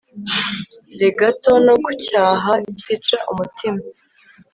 re gato nokucyaha cyica umutima